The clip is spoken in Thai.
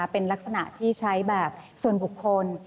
เป็นลักษณะที่ใช้แบบส่วนบุคคล